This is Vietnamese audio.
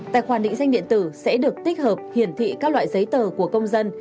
tài khoản định danh điện tử sẽ được tích hợp hiển thị các loại giấy tờ của công dân